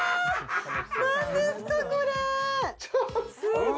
何ですかこれわ！